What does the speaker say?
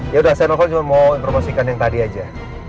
ya udah saya novel cuma mau informasikan yang tadi aja